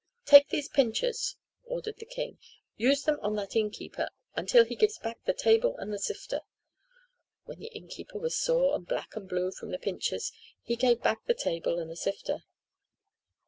"Take these pinchers," ordered the king. "Use them on that innkeeper until he gives back the table and the sifter." When the innkeeper was sore and black and blue from the pinchers he gave back the table and the sifter.